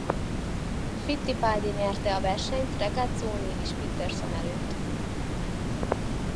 Fittipaldi nyerte a versenyt Regazzoni és Peterson előtt.